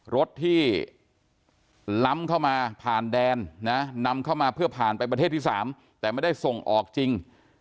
รถที่ล้ำเข้ามาผ่านแดนนะนำเข้ามาเพื่อผ่านไปประเทศที่๓แต่ไม่ได้ส่งออกจริง